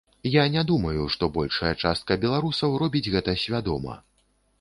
Я не думаю, што большая частка беларусаў робіць гэта свядома.